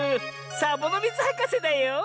サボノミズはかせだよ！